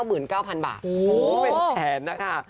โอ้โหเป็นแสนนะคะ